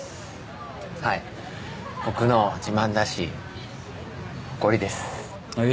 はい僕の自慢だし誇りですへ